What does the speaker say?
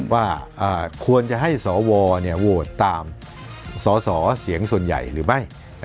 ว่าควรจะให้สวโหวตตามสสเสียงส่วนใหญ่หรือไม่